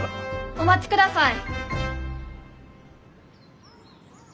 お待ちください。